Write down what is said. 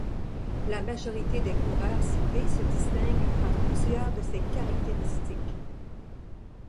La majorité des coureurs cités se distinguent par plusieurs de ces caractéristiques.